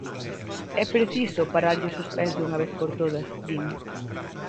"É preciso pararlles os pés dunha vez por todas", din.